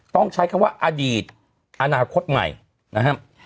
ต้องใช้คำว่าอดีตอนาคตใหม่นะครับ